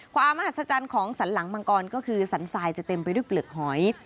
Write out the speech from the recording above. ความมหัศจรรย์ของสันหลังมังกรก็คือสันทรายจะเต็มไปด้วยเปลือกหอย